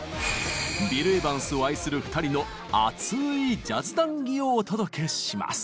ビル・エヴァンスを愛する２人の熱いジャズ談義をお届けします。